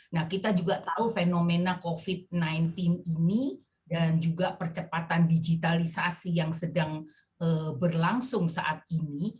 nah kita juga tahu fenomena covid sembilan belas ini dan juga percepatan digitalisasi yang sedang berlangsung saat ini